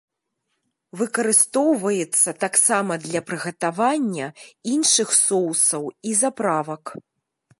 Выкарыстоўваецца таксама для прыгатавання іншых соусаў і заправак.